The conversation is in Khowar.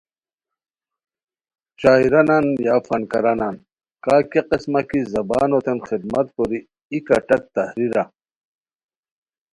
شاعرانان یا فنکارانان کا کیہ قسمہ کی زبانو تین خذمت کوری ای کٹک تحریرہ